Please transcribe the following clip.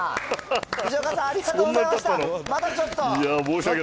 藤岡さん、ありがとうございましそんなたったの？